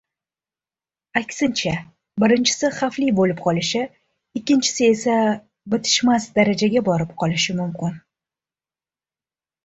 Aksincha, birinchisi xavfli bo‘lib qolishi, ikkinchisi esa bitishmas darajaga borib qolishi mumkin.